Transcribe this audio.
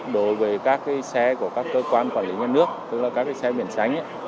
đối với các xe của các cơ quan quản lý nhà nước tức là các xe biển xanh